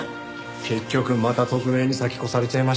結局また特命に先越されちゃいましたね。